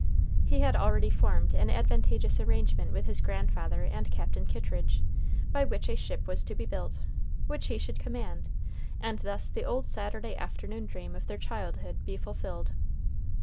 He had already formed an advantageous arrangement with his grandfather and Captain Kittridge, by which a ship was to be built, which he should command, and thus the old Saturday afternoon dream of their childhood be fulfilled.